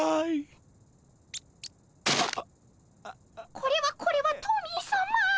これはこれはトミーさま。